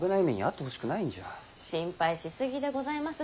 心配し過ぎでございます。